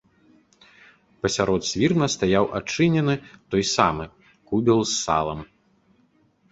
Пасярод свірна стаяў адчынены, той самы, кубел з салам.